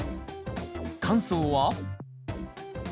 感想は？